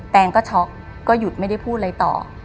แนนก็ช็อกก็หยุดไม่ได้พูดอะไรต่อ